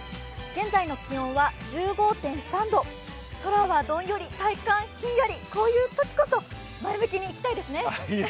現在の気温は１５．３度、空はどんより、体感ひんやり、こういうときこそ前向きにいきたいですね。